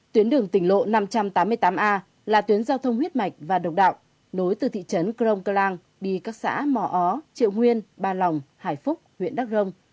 tuyến đường tỉnh lộ năm trăm tám mươi tám a là tuyến giao thông huyết mạch và độc đạo nối từ thị trấn crong cơ lan đi các xã mò ó triệu nguyên ba lòng hải phúc huyện đắk rông